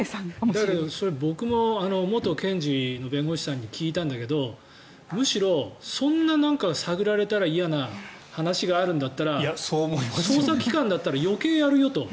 だけど僕も元検事の弁護士に聞いたんだけどむしろ、そんな探られたら嫌な話があるんだったら捜査機関だったら余計やるよと。